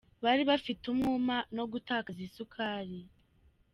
Bari bafite umwuma no gutakaza isukari.